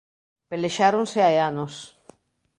Pelexáronse hai anos.